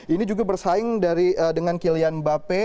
ini juga bersaing dengan kylian mbappe